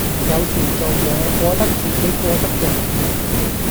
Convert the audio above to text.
有時做野過得自己過得人